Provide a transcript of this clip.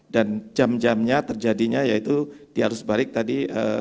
dan jam jamnya terjadinya yaitu di harus balik tadi